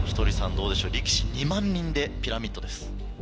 どうでしょう力士２万人でピラミッドです。